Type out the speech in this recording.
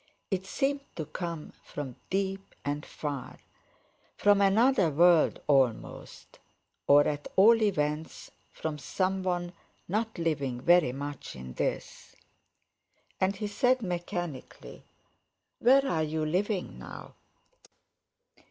It seemed to come from deep and far, from another world almost, or at all events from some one not living very much in this. And he said mechanically: "Where are you living now?"